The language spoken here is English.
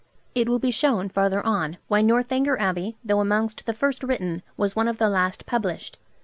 It will be shown farther on why 'Northanger Abbey,' though amongst the first written, was one of the last published.